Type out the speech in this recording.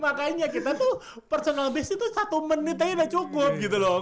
makanya kita tuh personal base itu satu menit aja udah cukup gitu loh